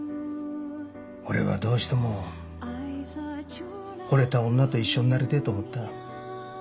俺はどうしてもほれた女と一緒になりてえと思った。